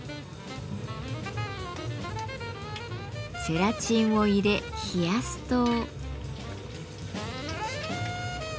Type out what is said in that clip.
ゼラチンを入れ冷やすと。